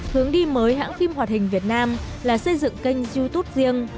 hướng đi mới hãng phim hoạt hình việt nam là xây dựng kênh youtube riêng